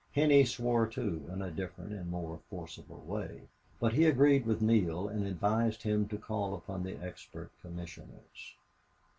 Henney swore too, in a different and more forcible way, but he agreed with Neale and advised him to call upon the expert commissioners.